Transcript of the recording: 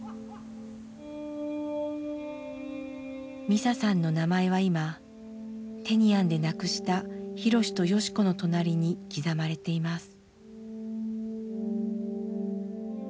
ミサさんの名前は今テニアンで亡くした博と良子の隣に刻まれています。